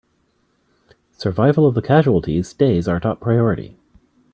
Survival of the casualties stays our top priority!